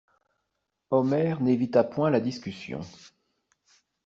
Omer n'évita point la discussion.